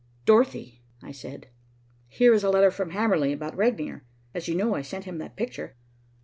"Dorothy," I said, "here is a letter from Hamerly about Regnier. As you know, I sent him that picture."